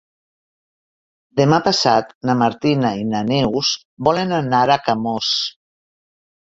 Demà passat na Martina i na Neus volen anar a Camós.